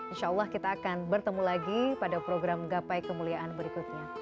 insya allah kita akan bertemu lagi pada program gapai kemuliaan berikutnya